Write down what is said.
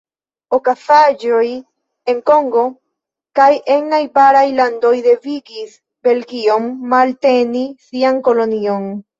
Okazaĵoj en Kongo kaj en najbaraj landoj devigis Belgion malteni sian kolonion.